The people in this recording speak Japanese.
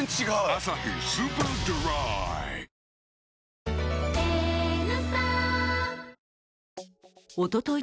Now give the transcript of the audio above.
「アサヒスーパードライ」おととい